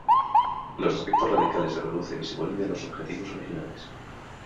Los aspectos radicales se reducen y se vuelve a los objetivos originales.